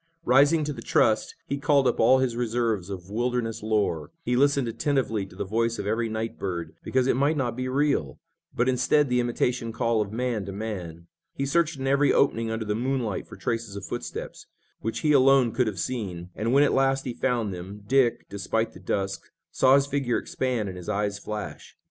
Rising to the trust, he called up all his reserves of wilderness lore. He listened attentively to the voice of every night bird, because it might not be real, but instead the imitation call of man to man. He searched in every opening under the moonlight for traces of footsteps, which he alone could have seen, and, when at last he found them, Dick, despite the dusk, saw his figure expand and his eyes flash.